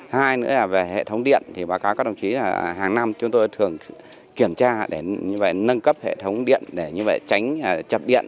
hai nữa là về hệ thống điện thì báo cáo các đồng chí là hàng năm chúng tôi thường kiểm tra để như vậy nâng cấp hệ thống điện để như vậy tránh chập điện